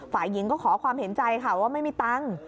ฝ่ายหญิงก็ขอความเห็นใจค่ะว่าไม่มีตังค์